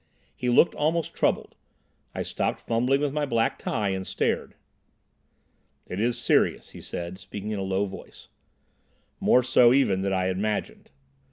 He looked almost troubled. I stopped fumbling with my black tie and stared. "It is serious," he said, speaking in a low voice, "more so even than I imagined.